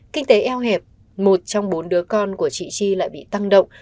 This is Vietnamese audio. kinh tế eo hẹp một trong bốn đứa con của chị chi lại bị tăng động